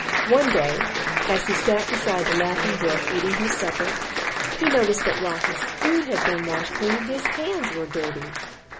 "One day, as he sat beside the Laughing Brook eating his supper, he noticed that while his food had been washed clean, his hands were dirty.